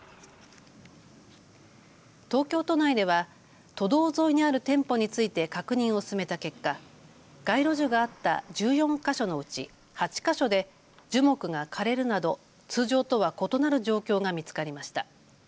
東京都内では都道沿いにある店舗について確認を進めた結果、街路樹があった１４か所のうち８か所で樹木が枯れるなど通常とは異なる状況が見つかりました。